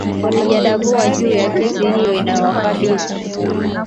walijadavua juu ya kesi hiyo inayowakabili